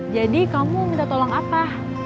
jadi kamu minta tolong apa